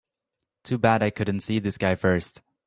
Too bad I couldn't see this guy first.